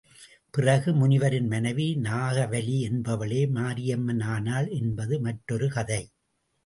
பிறகு முனிவரின் மனைவி நாகாவலி என்பவளே மாரியம்மன் ஆனாள் என்பது மற்றொரு கதை.